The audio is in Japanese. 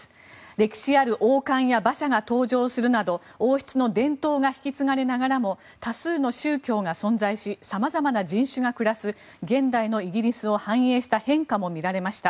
歴史ある王冠や馬車が登場するなど王室の伝統が引き継がれながらも多数の宗教が存在し様々な人種が暮らす現代のイギリスを反映した変化も見られました。